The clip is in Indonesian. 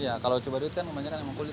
iya kalau cibaduyut kan kebanyakan emang kulit